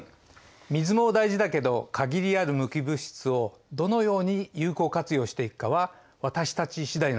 水も大事だけど限りある無機物質をどのように有効活用していくかは私たち次第なんだよ。